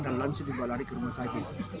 dan langsung dibawa lari ke rumah sakit